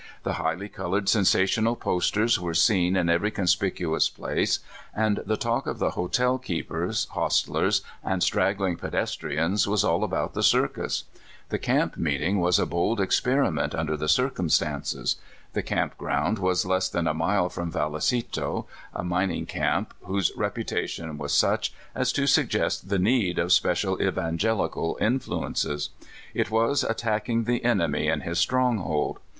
The highly colored rcnsational posters were seen in every conspicuous place, and the talk of the hotel keepers, hostlers, and straggling pedestrians, was all about the cir cus. The camp meeting w^as a bold experiment, under the circumstances. The camp ground was less than a mile from Vallecito, a mining camp, whose reputation was such as to suggest the need My First California Camp ynceting. 153 of special evans^elical influences. It was attacking the enemy in his stronghold.